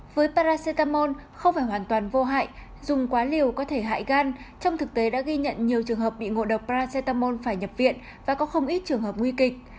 với parace camon không phải hoàn toàn vô hại dùng quá liều có thể hại gan trong thực tế đã ghi nhận nhiều trường hợp bị ngộ độc brazetamon phải nhập viện và có không ít trường hợp nguy kịch